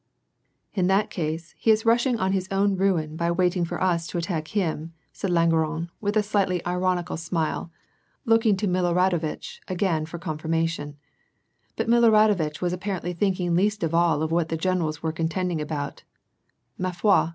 " In that case, he is rushing on his own ruin by waiting for us to attack him," said Langeron, with a slight, ironical 820 WAR AND PEACE, smile, looking to Miloradovitch again for confirmation, fint Miloradovitch was apparently thinking least of all of*what the generals were contending about, —«" Ma foi